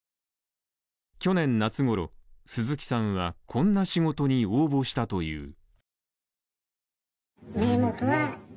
去年夏ごろ、鈴木さんはこんな仕事に応募したという。